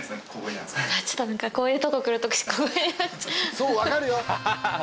そう分かるよ！